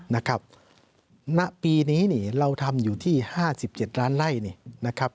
นะครับณปีนี้นี่เราทำอยู่ที่๕๗ล้านไล่นี่นะครับ